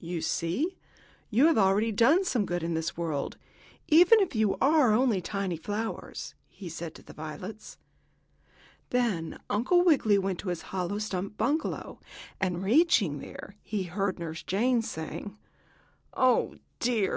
"You see, you have already done some good in this world, even if you are only tiny flowers," he said to the violets. Then Uncle Wiggily went on to his hollow stump bungalow, and, reaching there, he heard Nurse Jane saying: "Oh, dear!